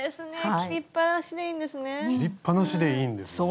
切りっぱなしでいいんですもんね。